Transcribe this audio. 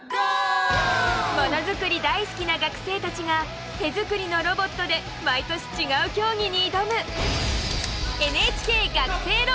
ものづくり大好きな学生たちが手作りのロボットで毎年違う競技に挑む